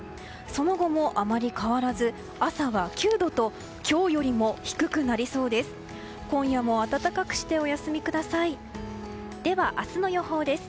その後もあまり変わらず朝は９度と今日よりも低くなりそうです。